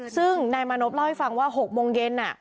ซึ่งนายมานพเล่าให้ฟังว่า๖โมงเย็น